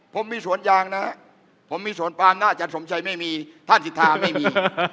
ผมมีสวนยางนะฮะผมมีสวนปามนะอาจารย์สมชัยไม่มีท่านสิทธาไม่มี